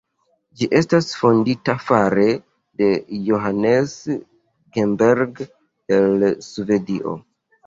Ĝi estas fondita fare de Johannes Genberg el Svedio.